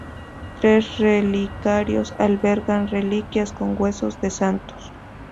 Tres relicarios albergan reliquias con huesos de santos.